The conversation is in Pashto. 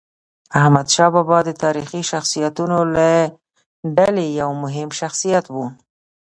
احمدشاه بابا د تاریخي شخصیتونو له ډلې یو مهم شخصیت و.